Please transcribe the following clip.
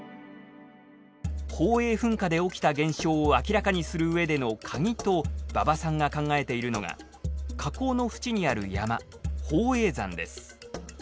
宝永噴火で起きた現象を明らかにするうえでのカギと馬場さんが考えているのが火口の縁にある山宝永山です。